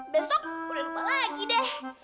besok udah lupa lagi deh